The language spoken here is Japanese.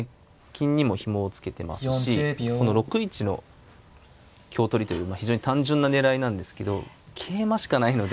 金にもひもを付けてますしこの６一の香取りという非常に単純な狙いなんですけど桂馬しかないので。